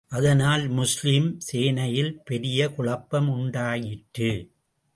அதனால் முஸ்லிம் சேனையில் பெரிய குழப்பம் உண்டாயிற்று.